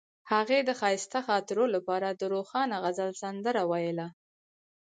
هغې د ښایسته خاطرو لپاره د روښانه غزل سندره ویله.